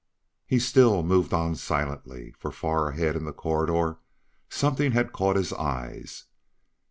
He still moved on silently, for far ahead in the corridor something had caught his eyes.